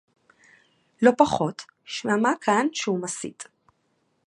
לא פחות, שמע כאן שהוא מסית